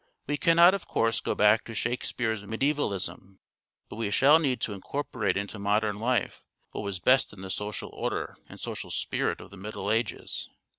We cannot, of course, go back to "Shakespeare's" medisevalism, but we shall need to incorporate into modern life what was best in the social order and social spirit of the Middle Ages.